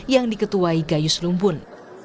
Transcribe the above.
yang diketuai gayus lumbun